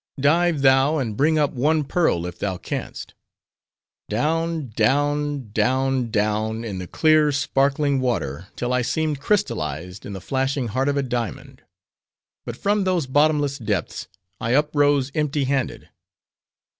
Dive thou, and bring up one pearl if thou canst." Down, down! down, down, in the clear, sparkling water, till I seemed crystalized in the flashing heart of a diamond; but from those bottomless depths, I uprose empty handed.